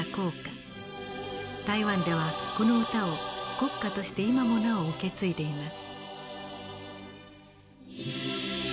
台湾ではこの歌を国歌として今もなお受け継いでいます。